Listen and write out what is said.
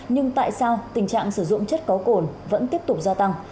nhưng tại sao tình trạng sử dụng chất có cồn vẫn tiếp tục gia tăng